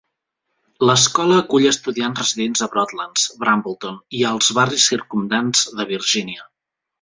L'escola acull estudiants residents a Broadlands, Brambleton i als barris circumdants de Virgínia.